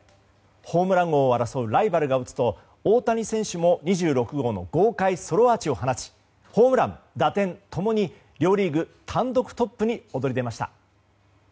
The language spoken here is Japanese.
ホームラン王を争うライバルが打つと大谷選手も２６号の豪快ソロアーチを放ちホームラン、打点共に両リーグ単独トップに躍り出ました。